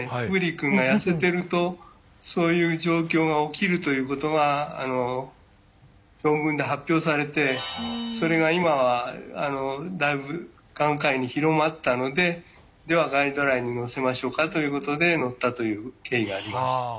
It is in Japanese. プリーくんがやせてるとそういう状況が起きるということが論文で発表されてそれが今はだいぶ眼科医に広まったのでではガイドラインに載せましょうかということで載ったという経緯があります。